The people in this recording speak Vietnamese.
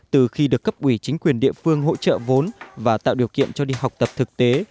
từ khi được cấp ủy chính quyền địa phương hỗ trợ vốn và tạo điều kiện cho đi học tập thực tế